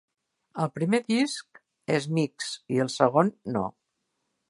El primer disc és mixt i el segon no.